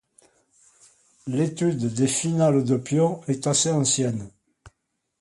L'étude des finales de pions est assez ancienne.